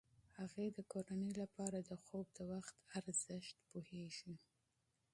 هغې د کورنۍ لپاره د خوب د وخت اهمیت پوهیږي.